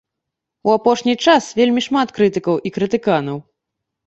У апошні час вельмі шмат крытыкаў і крытыканаў.